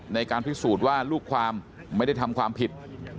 ในการพิสูจน์ว่าลูกความไม่ได้ทำความผิด